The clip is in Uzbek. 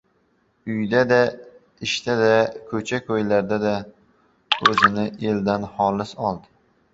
Uyda-da, ishda-da, ko‘cha-ko‘ylardada o‘zini eldan xolis oldi.